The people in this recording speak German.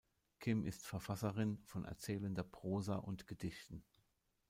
Kim ist Verfasserin von erzählender Prosa und Gedichten.